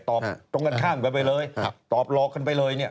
ตอบตรงกันข้างไปเลยตอบรอกันไปเลย